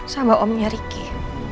sama omnya riki